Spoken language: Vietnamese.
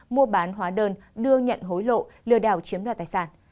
mua bán hóa đơn đưa nhận hối lộ lừa đảo chiếm đoạt tài sản